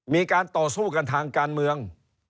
มีการต่อสู้กันทางการเมือง